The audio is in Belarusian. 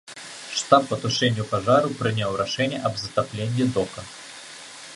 Штаб па тушэнню пажару прыняў рашэнне аб затапленні дока.